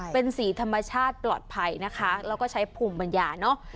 เป็นสีธรรมชาติปลอดภัยนะคะแล้วก็ใช้ภูมิปัญญาเนอะ